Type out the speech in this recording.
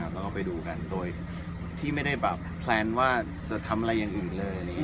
แล้วก็ไปดูกันโดยที่ไม่ได้แบบแพลนว่าจะทำอะไรอย่างอื่นเลย